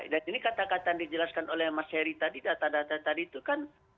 ini kata kata yang dijelaskan oleh mas heri tadi data data tadi itu kan